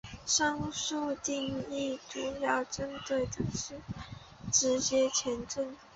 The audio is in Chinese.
上述定义主要针对的是直接前震。